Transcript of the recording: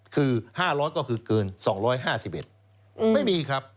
คือ๕๐๐ก็คือเกิน๒๕๑ไม่มีครับ